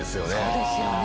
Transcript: そうですよね。